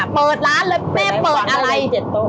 เปิดร้านเลยแม่เปิดอะไร